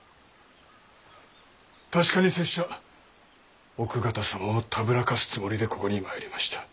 確かに拙者奥方様をたぶらかすつもりでここに参りました。